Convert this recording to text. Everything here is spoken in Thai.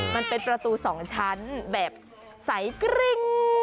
มันเป็นประตู๒ชั้นแบบใสกริ้ง